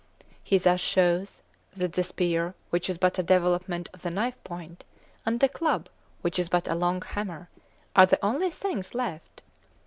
He thus shews that "the spear, which is but a development of the knife point, and the club, which is but a long hammer, are the only things left."